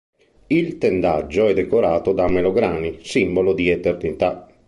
Il tendaggio è decorato da melograni, simbolo di eternità.